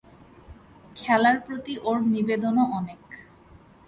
খেলার প্রতি ওর নিবেদনও অনেক।